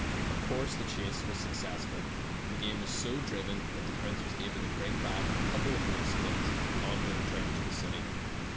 Of course the chase was successful, and the game was so driven that the prince was able to bring back a couple of wolf skins on the return to the city.